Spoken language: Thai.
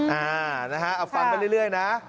อ่านะฮะเอาฟังไปเรื่อยนะ